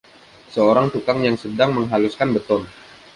Seorang tukang yang sedang menghaluskan beton.